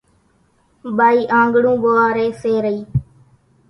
ٻائِي آنڳڻون ٻوئاريَ سي رئِي